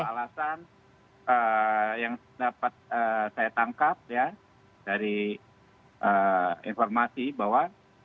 alasan yang dapat saya tangkap ya dari informasi bahwa